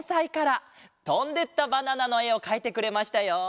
「とんでったバナナ」のえをかいてくれましたよ！